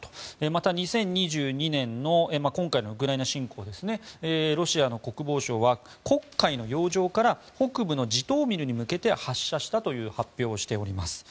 また２０２２年の今回のウクライナ侵攻ですねロシアの国防省は黒海の洋上から北部のジトーミルに向けて発射したという発表をしております。